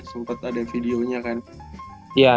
sempet ada videonya kan